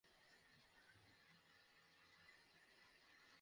গতকাল বুধবার বেলা সোয়া দুইটায় বাংলাদেশ বিমানের একটি ফ্লাইটে ঢাকায় ফেরেন।